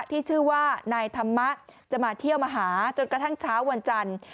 ที่ชื่อว่านายธรรมะจะมาเที่ยวมาหาจนกระทั่งเช้าวันจันทร์